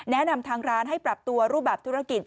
แนะนำทางร้านให้ปรับตัวรูปแบบธุรกิจ